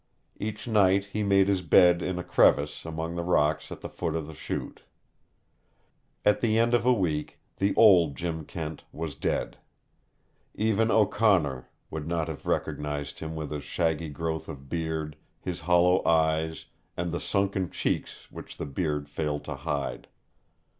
Each night he made his bed in a crevice among the rocks at the foot of the Chute. At the end of a week the old Jim Kent was dead. Even O'Connor would not have recognized him with his shaggy growth of beard, his hollow eyes, and the sunken cheeks which the beard failed to hide.